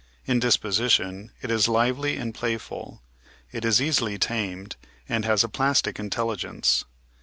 In disposition, it is lively and playful; it is easily tamed, and has a plastic intelligence.